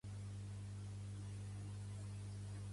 M'ha dolgut no poder arribar a agafar aquells espàrrecs tan gruixuts